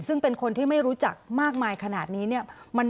ซึ่งเป็นคนที่ไม่รู้จักมากมายขนาดนี้เนี่ย